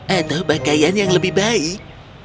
atau pakaian yang lebih baik